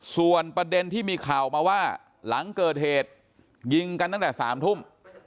ส่วนประเด็นที่มีข่าวมาว่าหลังเกิดเหตุยิงกันตั้งแต่๓ทุ่ม